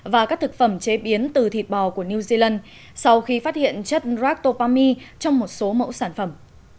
và các thực phẩm chế biến từ thịt bò của new zealand sau khi phát hiện chất ratopami trong một số mẫu sản phẩm